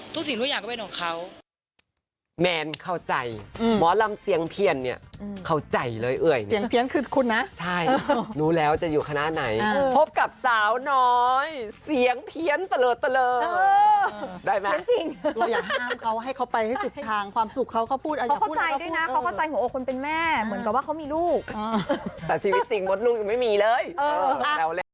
สิ่งทุกอย่างก็เป็นของเขา